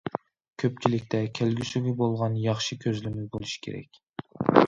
كۆپچىلىكتە كەلگۈسىگە بولغان ياخشى كۆزلىمە بولۇشى كېرەك.